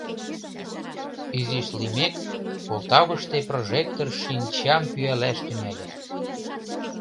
Изиш лиймек, «Полтавыште» прожектор «шинчам» пӱялаш тӱҥале.